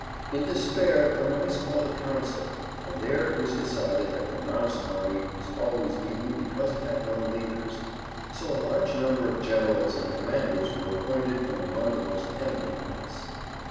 In despair the Mice called a council, and there it was decided that the Mouse army was always beaten because it had no leaders. So a large number of generals and commanders were appointed from among the most eminent Mice.